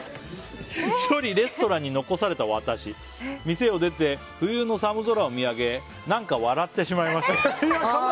１人レストランに残された私店を出て、冬の寒空を見上げ何か笑ってしまいました。